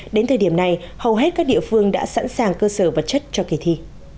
đến thời điểm này hầu hết các địa phương đã sẵn sàng cơ sở vật chất cho kỳ thi